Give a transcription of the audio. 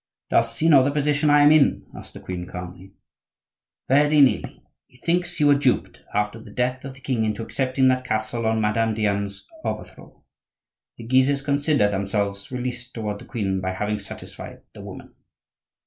"Does he know the position I am in?" asked the queen, calmly. "Very nearly. He thinks you were duped after the death of the king into accepting that castle on Madame Diane's overthrow. The Guises consider themselves released toward the queen by having satisfied the woman."